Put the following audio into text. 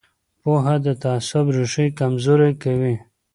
پوهه د تعصب ریښې کمزورې کوي